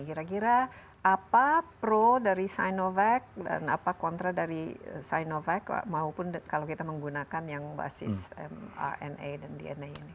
kira kira apa pro dari sinovac dan apa kontra dari sinovac maupun kalau kita menggunakan yang basis mina dan dna ini